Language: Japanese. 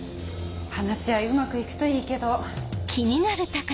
話し合いうまくいくといいけど。